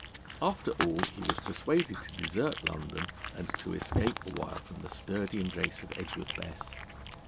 After all he was persuaded to desert London and to escape a while from the sturdy embrace of Edgworth Bess.